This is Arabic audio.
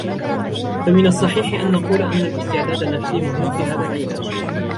فمن الصحيح أن نقول أن الاستعداد النفسي مهم في هذا العلاج.